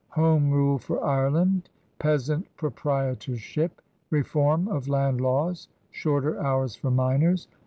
Home Rule for Ireland. Peasant Proprietorship. Reform of Land Laws. Shorter Hours for Miners.